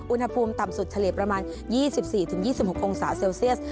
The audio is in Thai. อุณหภูมิต่ำสุดเฉลี่ยประมาณ๒๔๒๖องศาเซลเซียส